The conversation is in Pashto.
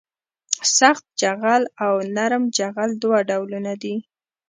سخت جغل او نرم جغل دوه ډولونه دي